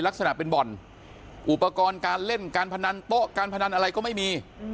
ลักษณะเป็นบ่อนอุปกรณ์การเล่นการพนันโต๊ะการพนันอะไรก็ไม่มี